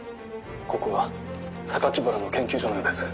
ここは原の研究所のようです。